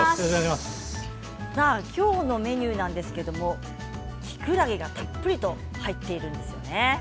今日のメニューですがきくらげがたっぷりと入っているんですよね。